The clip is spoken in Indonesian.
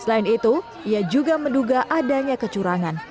selain itu ia juga menduga adanya kecurangan